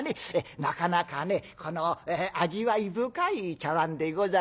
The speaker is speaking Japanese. なかなかねこの味わい深い茶碗でございましてね」。